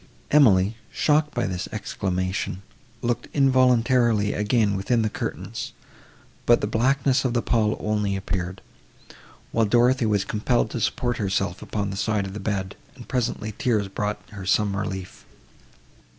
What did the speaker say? Emily, shocked by this exclamation, looked involuntarily again within the curtains, but the blackness of the pall only appeared; while Dorothée was compelled to support herself upon the side of the bed, and presently tears brought her some relief.